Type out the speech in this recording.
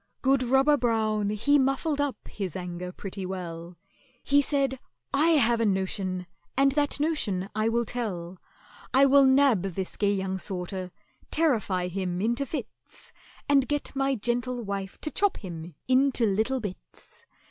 Good ROBBER BROWN he muffled up his anger pretty well: He said, "I have a notion, and that notion I will tell; I will nab this gay young sorter, terrify him into fits, And get my gentle wife to chop him into little bits.